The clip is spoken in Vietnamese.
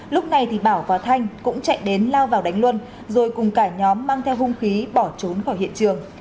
lúc này thì bảo và thanh cũng chạy đến lao vào đánh luân rồi cùng cả nhóm mang theo hung khí bỏ trốn khỏi hiện trường